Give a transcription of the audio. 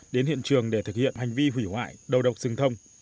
đến hiện trường để thực hiện hành vi hủy hoại đầu độc rừng thông